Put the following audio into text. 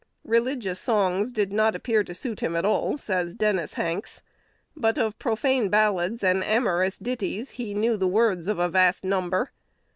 "Religious songs did not appear to suit him at all," says Dennis Hanks; but of profane ballads and amorous ditties he knew the words of a vast number.